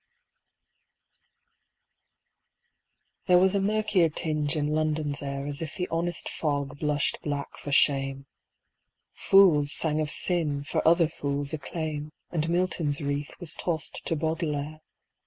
There was a murkier tinge in London's air As if the honest fog blushed black for shame. Fools sang of sin, for other fools' acclaim, And Milton's wreath was tossed to Baudelaire.